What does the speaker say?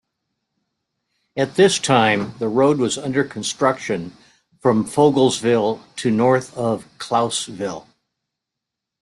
At this time, the road was under construction from Fogelsville to north of Claussville.